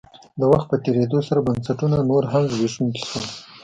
د وخت په تېرېدو بنسټونه نور هم زبېښونکي شول.